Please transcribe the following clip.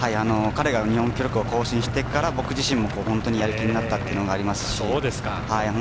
彼が日本記録を更新してから僕自身も本当にやれるようになったというのがあありますし。